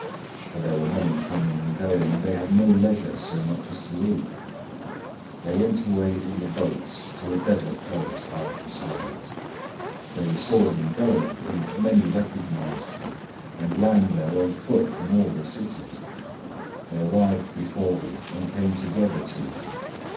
For there were many coming and going, and they had no leisure so much as to eat. 006:032 They went away in the boat to a deserted place by themselves. 006:033 They{TR reads "The multitudes" instead of "They"} saw them going, and many recognized him and ran there on foot from all the cities. They arrived before them and came together to him.